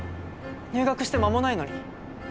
入学して間もないのに。